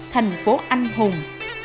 thành phố anh hùng